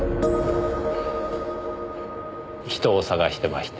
人を捜してまして。